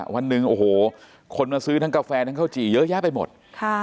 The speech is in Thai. วันหนึ่งโอ้โหคนมาซื้อทั้งกาแฟทั้งข้าวจี่เยอะแยะไปหมด